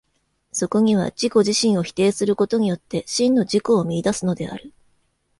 そこには自己自身を否定することによって、真の自己を見出すのである。